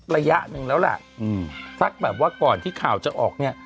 ระยะหนึ่งแล้วล่ะสักแบบว่าก่อนที่ข่าวจะออกเนี่ย